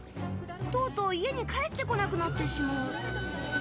とうとう家に帰ってこなくなってしまう。